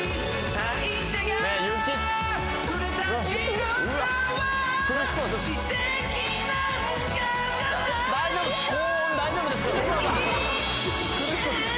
高音大丈夫ですか？